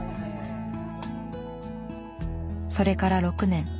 それから６年。